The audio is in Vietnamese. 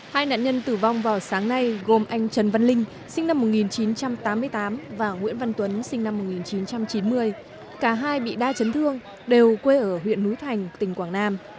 hai nạn nhân tử vong vào sáng nay gồm anh trần văn linh sinh năm một nghìn chín trăm tám mươi tám và nguyễn văn tuấn sinh năm một nghìn chín trăm chín mươi cả hai bị đa chấn thương đều quê ở huyện núi thành tỉnh quảng nam